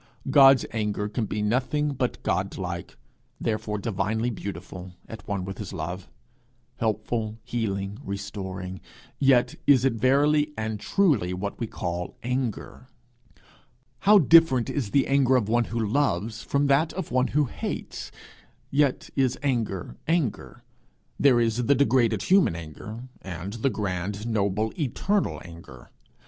God's anger can be nothing but Godlike, therefore divinely beautiful, at one with his love, helpful, healing, restoring; yet is it verily and truly what we call anger. How different is the anger of one who loves, from that of one who hates! yet is anger anger. There is the degraded human anger, and the grand, noble, eternal anger.